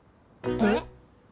えっ？